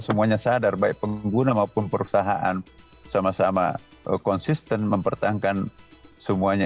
semuanya sadar baik pengguna maupun perusahaan sama sama konsisten mempertahankan semuanya